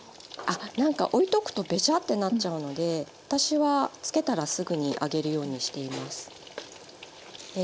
なんかおいとくとべしゃってなっちゃうので私はつけたらすぐに揚げるようにしています。